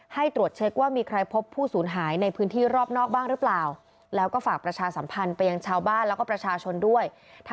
ให้ตรวจเช็คว่ามีใครพบผู้สูญหายในพื้นที่รอบนอกบ้างหรือเปล่าแล้วก็ฝากประชาสัมพันธ์ไปยังชาวบ้านแล้วก็ประชาชนด้วย